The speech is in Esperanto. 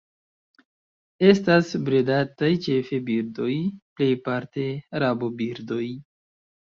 Estas bredataj ĉefe birdoj, plejparte rabobirdoj.